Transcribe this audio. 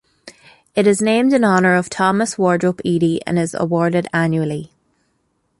It is named in honour of Thomas Wardrope Eadie and is awarded annually.